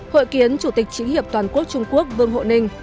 hội kiến chủ tịch chính hiệp toàn quốc trung quốc vương hộ ninh